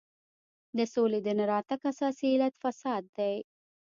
د سولې د نه راتګ اساسي علت فساد دی.